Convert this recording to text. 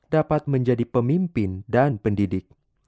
dapat menjadi pemimpin dan pendidik